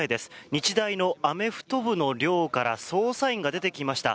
日大のアメフト部の寮から捜査員が出てきました。